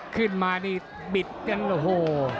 ขึ้นมานี่บิดกันโอ้โห